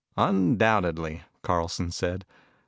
"Undoubtedly," Carlson said.